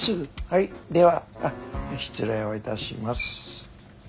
はいではあっ失礼をいたします。